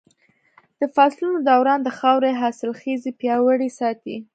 د فصلونو دوران د خاورې حاصلخېزي پياوړې ساتي.